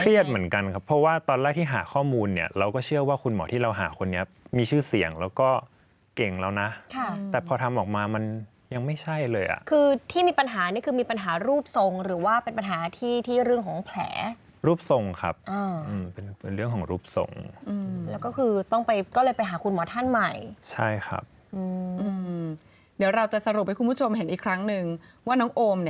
เหมือนกันครับเพราะว่าตอนแรกที่หาข้อมูลเนี่ยเราก็เชื่อว่าคุณหมอที่เราหาคนนี้มีชื่อเสียงแล้วก็เก่งแล้วนะแต่พอทำออกมามันยังไม่ใช่เลยอ่ะคือที่มีปัญหานี่คือมีปัญหารูปทรงหรือว่าเป็นปัญหาที่ที่เรื่องของแผลรูปทรงครับเป็นเรื่องของรูปทรงแล้วก็คือต้องไปก็เลยไปหาคุณหมอท่านใหม่ใช่ครับเดี๋ยวเราจะสรุปให้คุณผู้ชมเห็นอีกครั้งนึงว่าน้องโอม